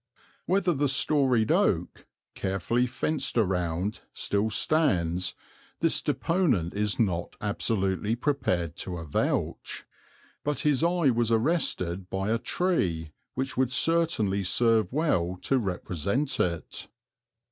Whether the storied oak, carefully fenced around, still stands, this deponent is not absolutely prepared to avouch; but his eye was arrested by a tree which would certainly serve well to represent it.